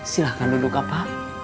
silahkan duduk apa